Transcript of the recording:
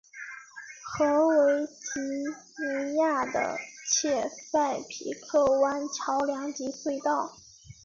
和维吉尼亚的切塞皮克湾桥梁及隧道。